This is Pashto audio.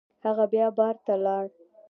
هغه بیا بار ته لاړ.